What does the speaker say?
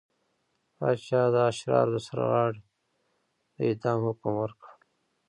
پاچا د اشرارو د سرغاړو د اعدام حکم ورکړ.